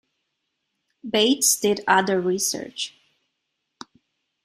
Bates did other research.